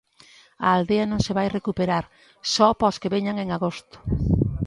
A aldea non se vai recuperar, só para os que veñan en agosto.